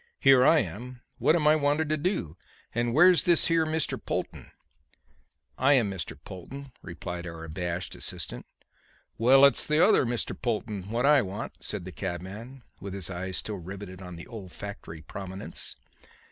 "Here I am. What am I wanted to do? And where's this here Mr. Polton?" "I am Mr. Polton," replied our abashed assistant. "Well, it's the other Mr. Polton what I want," said the cabman, with his eyes still riveted on the olfactory prominence.